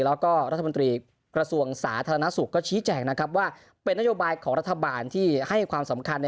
แล้วก็รัฐมนตรีกระทรวงสาธารณสุขก็ชี้แจกนะครับว่า